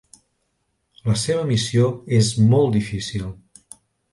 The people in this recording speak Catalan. La seva missió és molt difícil.